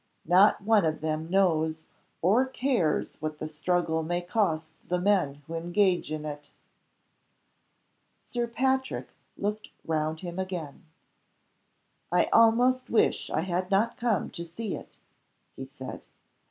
"Not one of them knows or cares what the struggle may cost the men who engage in it." Sir Patrick looked round him again. "I almost wish I had not come to see it," he said.